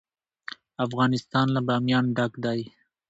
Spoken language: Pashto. افغانستان له بامیان ډک دی.